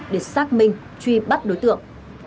để xác minh truy bắt đối tượng